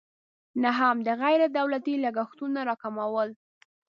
نهم: د غیر تولیدي لګښتونو راکمول.